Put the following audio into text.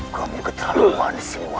kamu ketahuan semua